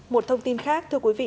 một thông tin khác thưa quý vị